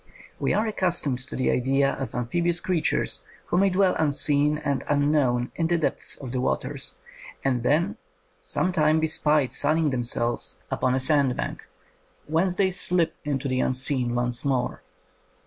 We are accustomed to the idea of amphib ious creatures who may dwell unseen and unknown in the depths of the waters, and then some day be spied sunning themselves 123 THE COMING OF THE FAIRIES upon a sandbank, whence they slip into the unseen once more.